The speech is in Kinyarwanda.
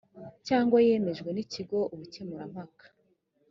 cyangwa yemejwe n ikigo ubukemurampaka